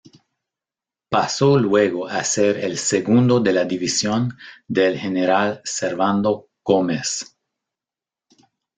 Pasó luego a ser el segundo de la división del general Servando Gómez.